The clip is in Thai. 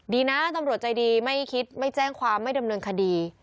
ดีนะตำรวจใจดีไม่คิดไม่แจ้งความไม่ดำเนินคดี